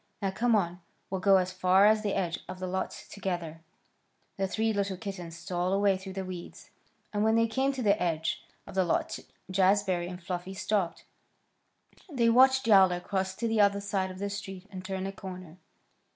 Now come on! We'll go as far as the edge of the lot together." The three little kittens stole away through the weeds, and when they came to the edge of the lot Jazbury and Fluffy stopped. They watched Yowler cross to the other side of the street and turn a corner.